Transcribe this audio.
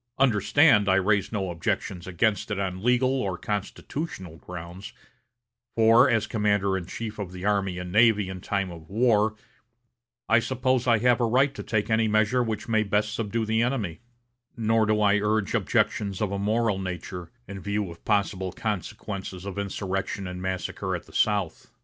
Understand, I raise no objections against it on legal or constitutional grounds, for, as commander in chief of the army and navy in time of war, I suppose I have a right to take any measure which may best subdue the enemy; nor do I urge objections of a moral nature, in view of possible consequences of insurrection and massacre at the South.